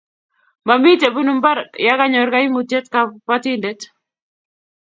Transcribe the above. mami chebunu mbar ya kanyor kaimutiet kabatindet